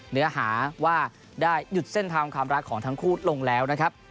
เนื้อหาว่าได้หยุดเส้นทางความรักของทั้งคู่ลงแล้วนะครับ